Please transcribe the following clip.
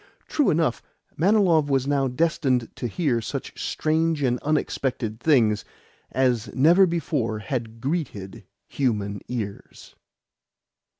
True enough, Manilov was now destined to hear such strange and unexpected things as never before had greeted human ears.